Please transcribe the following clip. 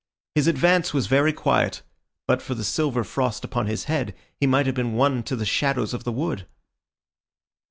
His advance was very quiet; but for the silver frost upon his head, he might have been one to the shadows of the wood.